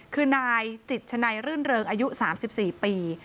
คือนายจิตชนัยรื่นเริงอายุ๓๔ปี